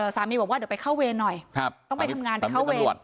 สามีบอกว่าเดี๋ยวไปเข้าเวรหน่อยต้องไปทำงานไปเข้าเวร